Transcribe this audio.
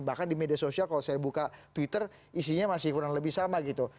bahkan di media sosial kalau saya buka twitter isinya masih kurang lebih sama gitu